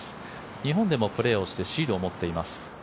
日本でもプレーをしてシードを持っています。